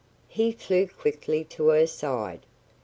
He flew quickly to her side.